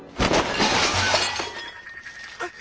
あっ！